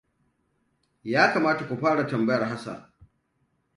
Ya kamata ku fara tambayar Hassan.